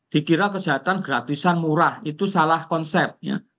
dikira kesehatan gratisan murah itu salah konsep